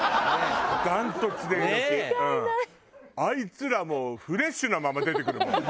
あいつらもうフレッシュなまま出てくるもん。